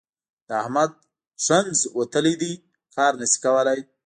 د احمد ښنځ وتلي دي؛ کار نه شي کولای.